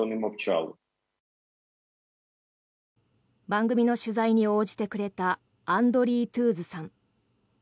番組の取材に応じてくれたアンドリー・トゥーズさん。